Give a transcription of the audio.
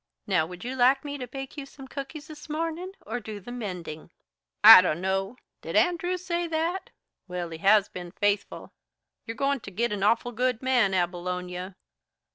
Now, would you like me to bake you some cookies this morning, or do the mending?" "I don't know. Did Andrew say that? Well, he has been faithful. You're goin' to git an awful good man, Abilonia.